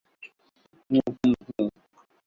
পাগল ছিল!